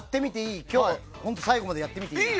今日本当に最後までやってみていい？